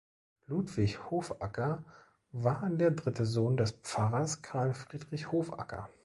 Ludwig Hofacker war der dritte Sohn des Pfarrers Karl Friedrich Hofacker.